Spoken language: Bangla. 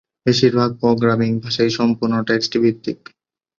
বেশির ভাগ প্রোগ্রামিং ভাষাই সম্পূর্ণ টেক্সট-ভিত্তিক।